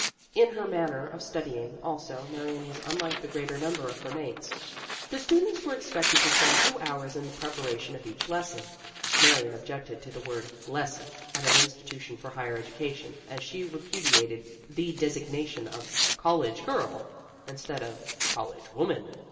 In her manner of studying, also, Marion was unlike the greater number of her mates. The students were expected to spend two hours in the preparation of each lesson. (Marion objected to the word lesson at an institution for higher education, as she repudiated the designa tion of college girl instead of college woman.)